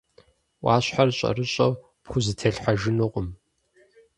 Ӏуащхьэр щӀэрыщӀэу пхузэтелъхьэжынукъым.